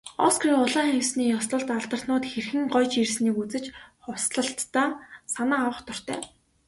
Оскарын улаан хивсний ёслолд алдартнууд хэрхэн гоёж ирснийг үзэж, хувцаслалтдаа санаа авах дуртай.